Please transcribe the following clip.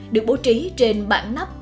được bố trí trên bảng nắp